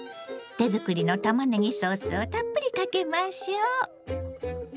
手作りのたまねぎソースをたっぷりかけましょ。